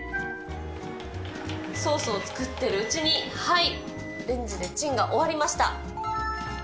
ソースを作ってるうちに、はい、レンジでチンが終わりました。